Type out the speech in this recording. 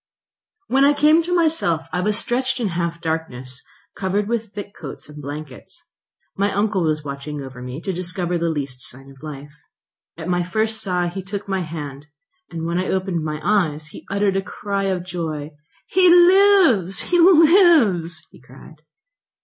When I came to myself, I was stretched in half darkness, covered with thick coats and blankets. My uncle was watching over me, to discover the least sign of life. At my first sigh he took my hand; when I opened my eyes he uttered a cry of joy. "He lives! he lives!" he cried.